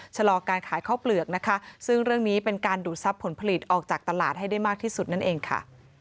ชะลอการขายข้าวเปลือกนะคะซึ่งเรื่องนี้เป็นการดูดทรัพย์ผลผลิตออกจากตลาดให้ได้มากที่สุดนั่นเองค่ะ